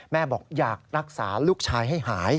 บอกอยากรักษาลูกชายให้หาย